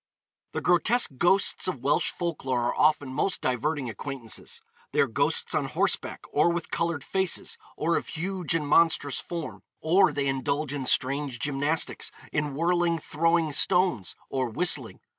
The grotesque ghosts of Welsh folk lore are often most diverting acquaintances. They are ghosts on horseback, or with coloured faces, or of huge and monstrous form; or they indulge in strange gymnastics, in whirling, throwing stones, or whistling.